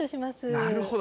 なるほど。